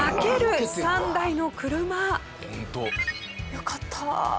よかった！